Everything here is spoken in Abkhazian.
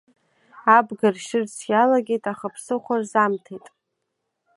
Абга ршьырц иалагеит, аха ԥсыхәа рзамҭеит.